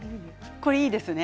これ、いいですね。